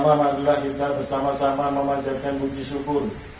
ya allah keajaiban yang menguaskan